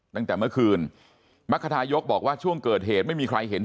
ตั้งแต่เมื่อคืนมรรคทายกบอกว่าช่วงเกิดเหตุไม่มีใครเห็น